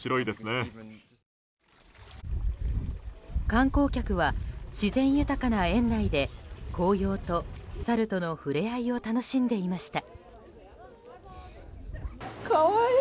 観光客は、自然豊かな園内で紅葉とサルとの触れ合いを楽しんでいました。